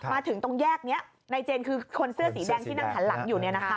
มาถึงตรงแยกนี้นายเจนคือคนเสื้อสีแดงที่นั่งหันหลังอยู่